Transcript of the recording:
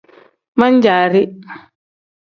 Pan-jaari.